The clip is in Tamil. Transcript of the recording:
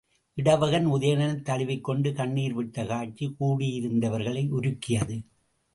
இடவகன், உதயணனைத் தழுவிக்கொண்டு கண்ணிர்விட்ட காட்சி, கூடியிருந்தவர்களை உருக்கியது.